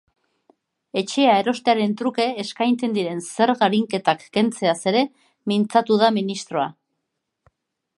Etxea erostearen truke eskaintzen diren zerga-arinketak kentzeaz ere mintzatu da ministroa.